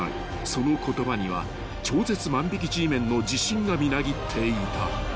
［その言葉には超絶万引Ｇメンの自信がみなぎっていた］